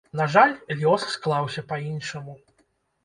На жаль, лёс склаўся па-іншаму.